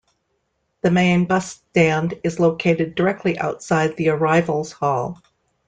The main bus stand is located directly outside the arrivals hall.